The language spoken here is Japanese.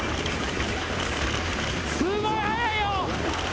すごい速いよ。